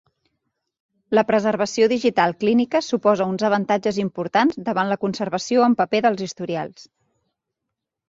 La preservació digital clínica suposa uns avantatges importants davant la conservació en paper dels historials.